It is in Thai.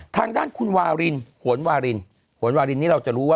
ทางด้านคุณวารินหวนวารินหวนวารินนี่เราจะรู้ว่า